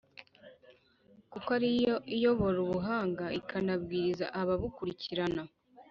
kuko ari yo iyobora Ubuhanga, ikanabwiriza ababukurikirana.